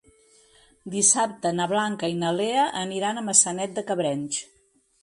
Dissabte na Blanca i na Lea aniran a Maçanet de Cabrenys.